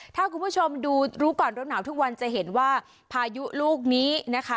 ถ้าคุณผู้ชมดูรู้ก่อนร้อนหนาวทุกวันจะเห็นว่าพายุลูกนี้นะคะ